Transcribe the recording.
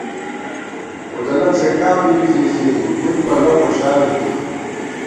وُزلہ څھِکا مِنزی زی دِم بہ لؤ خوشال بی تھی